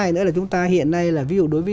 nữa là chúng ta hiện nay là ví dụ đối với